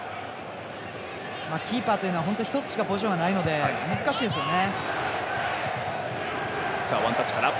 キーパーというのは１つしかポジションがないので難しいですよね。